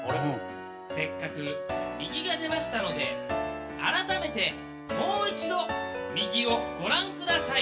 せっかく右が出ましたのであらためてもう一度右をご覧ください。